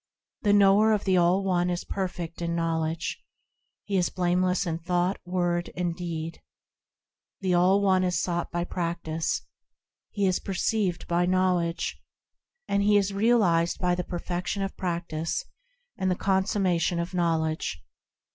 The knower of the All One is perfect in knowledge. He is blameless in thought, word, and deed. The All One is sought by practice, He is perceived by knowledge, And he is realised by the perfection of practice and the consummation of knowledge.